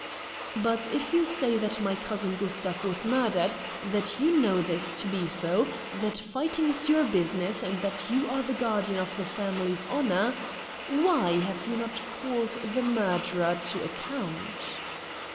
"But if you say that my cousin Gustav was murdered, that you know this to be so, that fighting is your business, and that you are the guardian of the family's honor, why have you not called the murderer to account?"